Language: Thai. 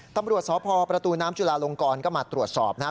ตำรวจสพประตูน้ำจุลาลงกรก็มาตรวจสอบนะครับ